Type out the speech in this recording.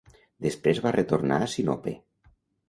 Després va retornar a Sinope.